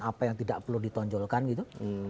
apa yang tidak perlu ditonjolkan gitu